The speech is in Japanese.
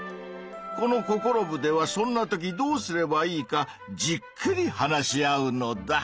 このココロ部ではそんなときどうすればいいかじっくり話し合うのだ。